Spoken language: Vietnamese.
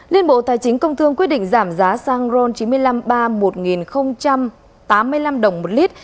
liên bộ tài chính công thương quyết định giảm giá xăng ron chín mươi năm ba một tám mươi năm đồng một lít xăng e năm ron chín mươi hai giảm chín trăm tám mươi sáu đồng một lít